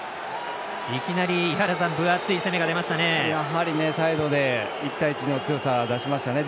いきなり分厚い攻めが出ましたね。